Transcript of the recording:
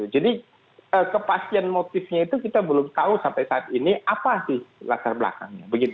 jadi kepastian motifnya itu kita belum tahu sampai saat ini apa di latar belakangnya